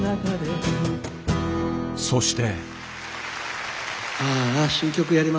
そして。